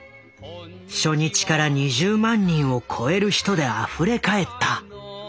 初日から２０万人を超える人であふれ返った。